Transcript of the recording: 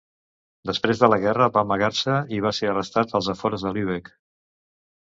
Després de la guerra va amagar-se i va ser arrestat als afores de Lübeck.